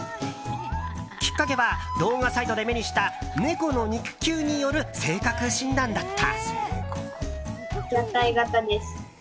きっかけは動画サイトで目にした猫の肉球による性格診断だった。